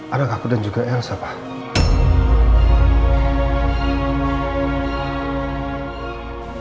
anak aku dan juga elsa pak